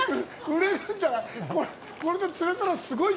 売れるんじゃない？